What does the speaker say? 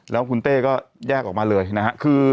แล้วคุณเต้ก็แยกออกมาเลยนะฮะ